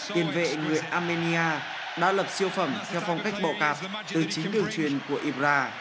tiền vệ nguyễn armenia đã lập siêu phẩm theo phong cách bộ cạp từ chính điều truyền của ibra